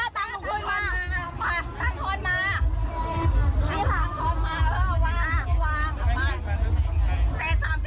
ดูยืนไปหมดแล้ว๗๐บาท